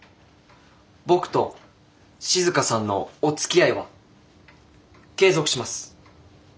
僕と静さんのおつきあいは継続します。